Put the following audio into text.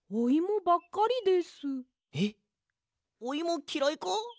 おイモきらいか？